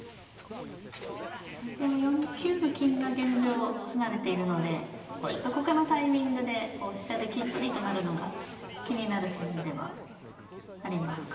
先手も４九の金が現状離れているのでどこかのタイミングで飛車で金取りとなるのが気になる筋ではありますか。